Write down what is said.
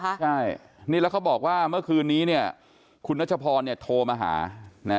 ใช่นี่แล้วเขาบอกว่าเมื่อคืนนี้เนี่ยคุณนัชพรเนี่ยโทรมาหานะ